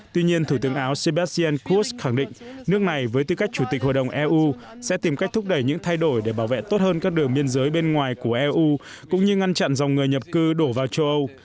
tuy nhiên thủ tướng áo sebastian kurz khẳng định nước này với tư cách chủ tịch hội đồng eu sẽ tìm cách thúc đẩy những thay đổi để bảo vệ tốt hơn các đường biên giới bên ngoài của eu cũng như ngăn chặn dòng người nhập cư đổ vào châu âu